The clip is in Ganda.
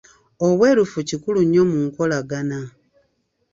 Obwerufu kikulu nnyo mu nkolagana.